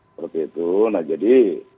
seperti itu nah jadi